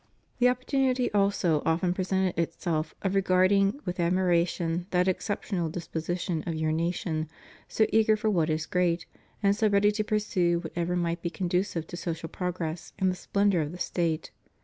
The opportunity also often presented itself of regarding with admiration that exceptional disposition of your nation, so eager for what is great, and so ready to pursue whatever might be conducive to social progress and the splendor of the State.